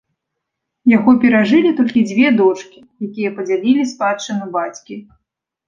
Яго перажылі толькі дзве дочкі, якія падзялілі спадчыну бацькі.